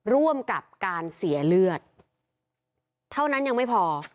ร่วมกับการเสียเลือดเท่านั้นยังไม่พอ